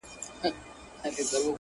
• زما او ستا دي له دې وروسته شراکت وي,